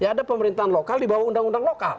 ada pemerintahan lokal dibawah undang undang lokal